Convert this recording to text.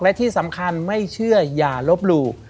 และที่สำคัญไม่เชื่ออย่าลบหลู่